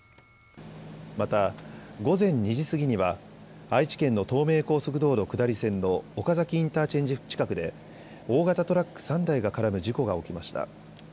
また午前２時過ぎには愛知県の東名高速道路下り線の岡崎インターチェンジ近くで大型トラック３台が絡む事故が起きました。